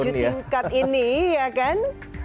tujuh tingkat ini ya kan